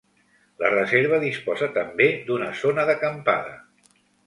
La reserva disposa també d'una zona d'acampada.